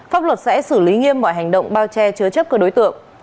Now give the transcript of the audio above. pháp luật sẽ xử lý nghiêm mọi hành động bao che chứa chấp các đối tượng